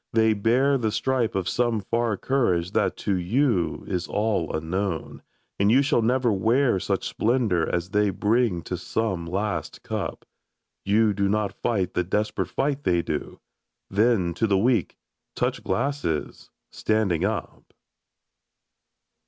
They bear The stripe of some far courage that to you Is all unknown — and you shall never wear Such splendor as they bring to some last eup ; You do not fight the desperate fight they do ; Then — ^to the Weak ! Touch glasses ! standing up